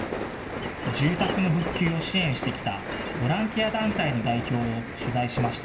住宅の復旧を支援してきたボランティア団体の代表を取材しました。